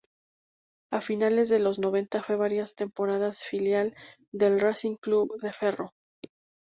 A finales de los noventa fue varias temporadas filial del Racing Club de Ferrol.